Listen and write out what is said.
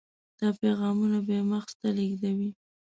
دا پیغامونه بیا مغز ته لیږدوي.